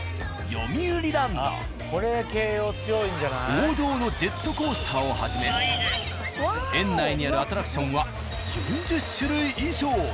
王道のジェットコースターをはじめ園内にあるアトラクションは４０種類以上。